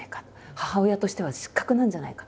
母親としては失格なんじゃないか。